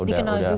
dikenal juga ya